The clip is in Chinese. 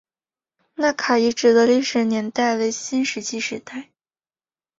纳卡遗址的历史年代为新石器时代。